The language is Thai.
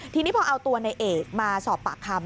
ทีนี้พอเอาตัวในเอกมาสอบปากคำ